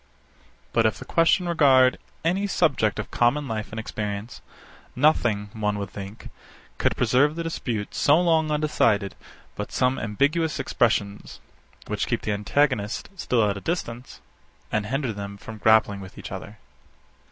But if the question regard any subject of common life and experience, nothing, one would think, could preserve the dispute so long undecided but some ambiguous expressions, which keep the antagonists still at a distance, and hinder them from grappling with each other.